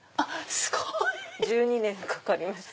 すごい！１２年かかりました。